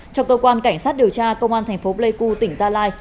cho cơ quan cảnh sát điều tra công an thành phố pleiku tỉnh gia lai